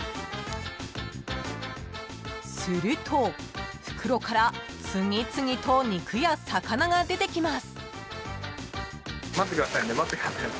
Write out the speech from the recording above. ［すると袋から次々と肉や魚が出てきます］